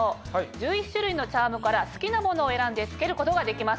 １１種類のチャームから好きなものを選んで付けることができます。